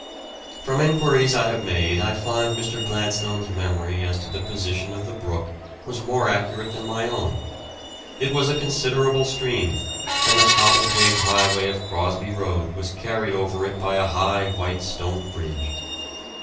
From enquiries I have made I find Mr. Gladstone's memory as to the position of the brook was more accurate than my own. It was a considerable stream and the cobble paved highway of Crosby Road was carried over it by a high white stone bridge.